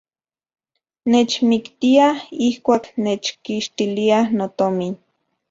Nechmiktiaj ijkuak nechkixtiliaj notomin.